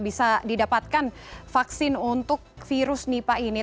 bisa didapatkan vaksin untuk virus nipah ini